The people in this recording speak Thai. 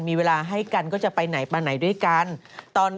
มีเวลาให้กันก็จะไปไหนมาไหนด้วยกัน